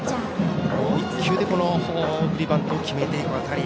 １球で送りバントを決めていくあたり